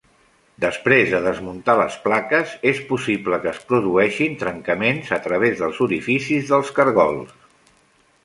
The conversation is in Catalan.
Després de desmuntar les plaques, és possible que es produeixin trencaments a través dels orificis dels caragols.